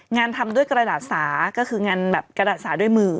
งานทำด้วยกระดาษสาก็คืองานแบบกระดาษสาด้วยมือ